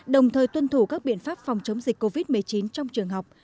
phủ các biện pháp phòng chống dịch covid một mươi chín trong trường học